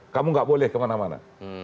kamu gak boleh kemana mana